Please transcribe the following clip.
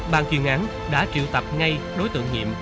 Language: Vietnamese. bàn chuyên án đã triệu tập ngay đối tượng nhiệm